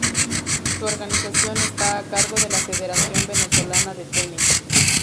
Su organización está a cargo de la Federación Venezolana de Tenis.